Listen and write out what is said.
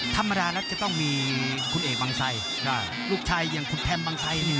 ธรรมดานักจะต้องมีคุณเอกบางไทยลูกชายอย่างคุณแธมบางไทย